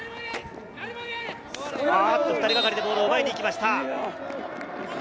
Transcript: ２人がかりでボールを奪いに行きました。